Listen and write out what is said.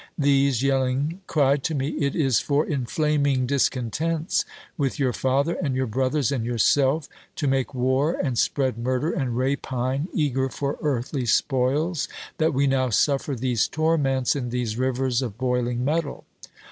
These yelling, cried to me, 'It is for inflaming discontents with your father, and your brothers, and yourself, to make war and spread murder and rapine, eager for earthly spoils, that we now suffer these torments in these rivers of boiling metal.'